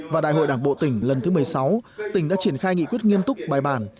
và đại hội đảng bộ tỉnh lần thứ một mươi sáu tỉnh đã triển khai nghị quyết nghiêm túc bài bản